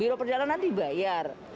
juro perjalanan dibayar